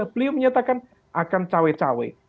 beliau menyatakan akan cewek cewek